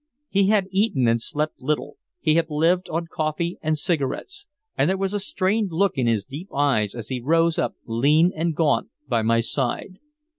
He had eaten and slept little, he had lived on coffee and cigarettes, and there was a strained look in his deep eyes as he rose up lean and gaunt by my side.